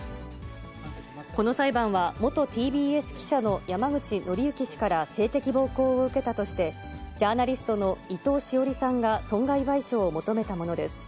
この裁判は、元ＴＢＳ記者の山口敬之氏から性的暴行を受けたとして、ジャーナリストの伊藤詩織さんが損害賠償を求めたものです。